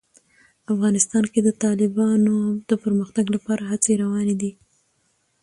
افغانستان کې د تالابونو د پرمختګ لپاره هڅې روانې دي.